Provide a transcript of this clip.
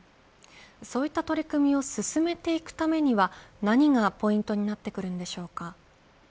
そういった取り組みを進めていくためには何がポイントになってくるのでしょうか。